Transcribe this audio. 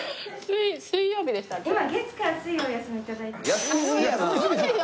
水曜日でしたっけ？